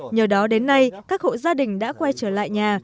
nhờ đó đến nay các hộ gia đình đã quay trở lại nhà